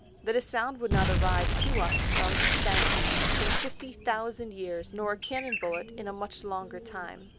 That a Sound would not arrive to us from thence in 50000 Years, nor a Cannon bullet in a much longer time.